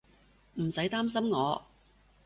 唔使擔心我